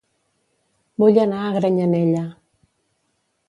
Vull anar a Granyanella